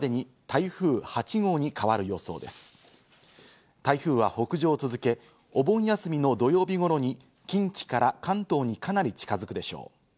台風は北上を続け、お盆休みの土曜日頃に近畿から関東にかなり近づくでしょう。